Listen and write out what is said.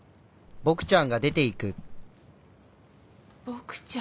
ボクちゃん。